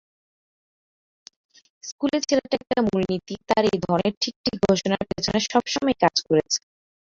স্কুলের ছেলেটার একটা মূলনীতিই তার এই ধরনের ঠিক ঠিক ঘোষণার পেছনে সবসময়েই কাজ করেছে।